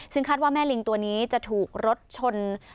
ซึ่งคาดว่าแม่ลิงตัวนี้จะถูกรถชน